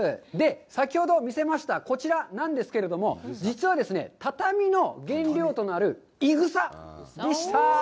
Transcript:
先ほど見せましたこちらなんですけれども、実はですね、畳の原料となる、いぐさでした。